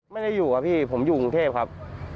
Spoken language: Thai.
ไม่ได้อยู่อะพี่ผมอยู่กรุงเทพครับ